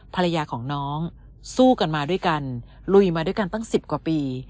ภรรยาของน้องสู้กันมาด้วยกันลุยมาด้วยกันตั้ง๑๐กว่าปี